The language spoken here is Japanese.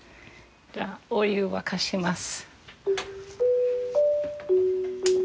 じゃあお湯沸かします。